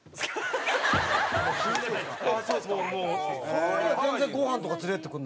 その割には全然ごはんとか連れていってくれない。